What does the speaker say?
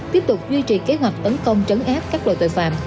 tiếp tục duy trì kế hoạch tấn công trấn áp các loại tội phạm